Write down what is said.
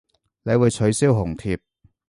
你會取消紅帖